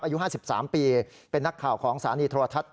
อายุ๕๓ปีเป็นนักข่าวของสถานีโทรทัศน